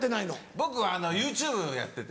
僕はＹｏｕＴｕｂｅやってて。